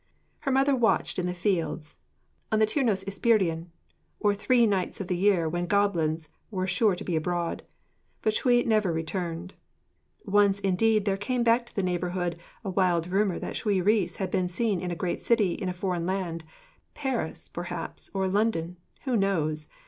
Her mother watched in the fields on the Teir nos Ysprydion, or three nights of the year when goblins are sure to be abroad; but Shuï never returned. Once indeed there came back to the neighbourhood a wild rumour that Shuï Rhys had been seen in a great city in a foreign land Paris, perhaps, or London, who knows?